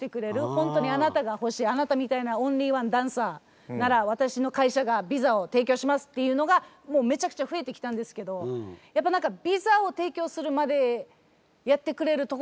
ほんとにあなたが欲しいあなたみたいなオンリーワンダンサーなら私の会社がビザを提供しますっていうのがめちゃくちゃ増えてきたんですけどやっぱ何かビザを提供するまでやってくれるところも少ないので。